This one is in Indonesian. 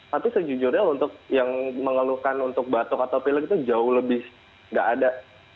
tapi sejujurnya untuk yang mengeluhkan untuk batuk atau pilek itu jauh lebih nggak ada